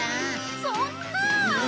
そんなあ！